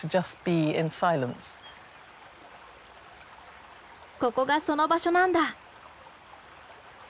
ここがその場所なんだ。